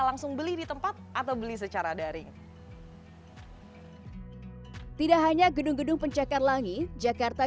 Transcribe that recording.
langsung beli di tempat atau beli secara daring tidak hanya gedung gedung pencakar langit jakarta